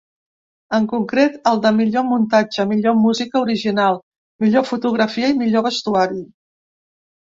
En concret, el de millor muntatge, millor música original, millor fotografia i millor vestuari.